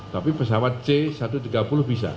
tapi pesawat c satu ratus tiga puluh bisa